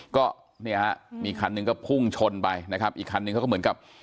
ก็เนี่ยฮะมีคันหนึ่งก็พุ่งชนไปนะครับอีกคันนึงเขาก็เหมือนกับ